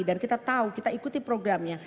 dan kita tahu kita ikuti programnya